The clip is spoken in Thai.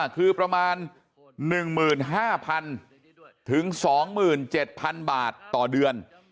คือประมาณ๑๕๐๐๐ถึง๒๗๐๐บาทต่อเดือน